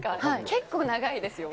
結構長いですよ。